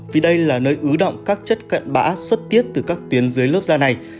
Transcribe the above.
vì đây là nơi ứ động các chất cận bã xuất tiết từ các tuyến dưới lớp da này